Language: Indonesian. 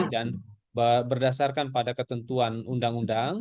dan berdasarkan pada ketentuan undang undang